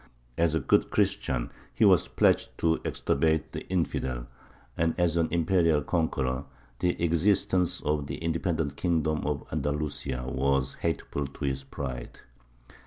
As a good Christian he was pledged to extirpate the infidel; and, as an imperial conqueror, the existence of the independent kingdom of Andalusia was hateful to his pride.